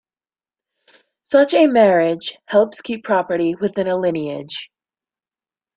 Such a marriage helps keep property within a lineage.